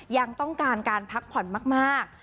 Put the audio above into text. ยังต้องการการพักผ่อนมาก